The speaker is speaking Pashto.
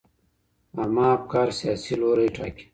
عامه افکار سياسي لوری ټاکي.